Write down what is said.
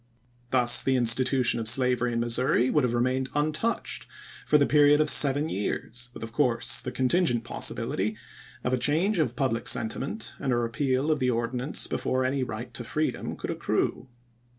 Thus the institution of slavery in Missouri would have remained untouched for the period of seven years, with of course the contingent possibility of a change of public sentiment and a repeal of the ordinance before any right to freedom could accrue.